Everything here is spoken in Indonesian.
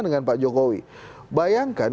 dengan pak jokowi bayangkan